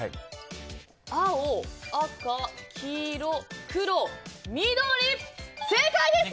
青、赤、黄色、黒、緑正解です！